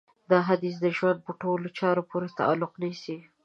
دا حديث د ژوند په ټولو چارو پورې تعلق نيسي.